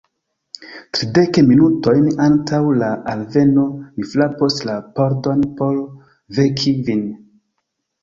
Tridek minutojn antaŭ la alveno mi frapos la pordon por veki vin.